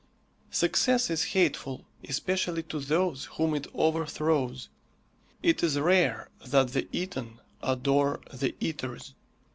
Success is hateful, especially to those whom it overthrows. It is rare that the eaten adore the eaters.